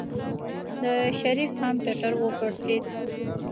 د شريف هم ټټر وپړسېد.